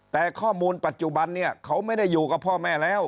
แต่ข้อมูลปัจจุบันเนี่ยเขาไม่ได้อยู่กับพ่อแม่แล้ว